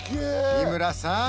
日村さん